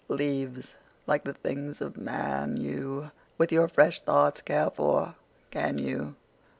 Leáves, líke the things of man, youWith your fresh thoughts care for, can you?